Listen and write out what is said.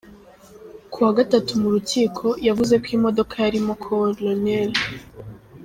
Ku wa Gatatu mu rukiko, yavuze ko imodoka yarimo Col.